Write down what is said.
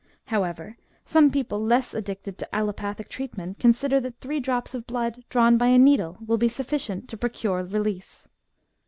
However, some people less addicted to allopathic treat ment, consider that three drops of blood drawn by a needle, will be sufficient to procure release.